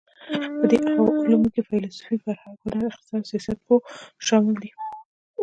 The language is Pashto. په دې علومو کې فېلسوفي، فرهنګ، هنر، اقتصاد او سیاستپوهه شامل دي.